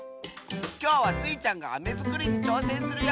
きょうはスイちゃんがアメづくりにちょうせんするよ！